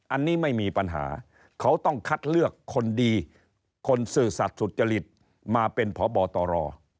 อันนี้ไม่มีปัญหาเขาต้องคัดเลือกคนดีคนซื่อสัตว์สุจริตมาเป็นพบตร